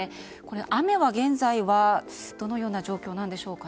雨は現在はどのような状況なんでしょうか。